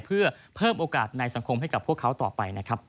เพื่อเพิ่มโอกาสในสังคมให้กับพวกเขาต่อไปนะครับ